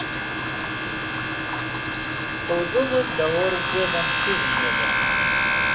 Tewḍeḍ anda ur wwiḍent tid nniḍen.